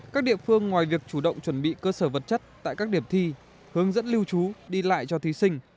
các địa phương ngoài việc chủ động chuẩn bị cơ sở vật chất tại các điểm thi hướng dẫn lưu trú đi lại cho thí sinh